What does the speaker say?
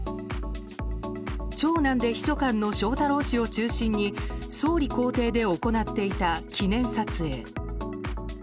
長男で秘書官の翔太郎氏を中心に総理公邸で行っていた記念撮影。